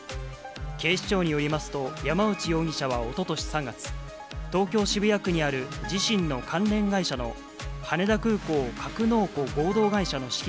警視庁によりますと、山内容疑者はおととし３月、東京・渋谷区にある自身の関連会社の羽田空港格納庫合同会社の資金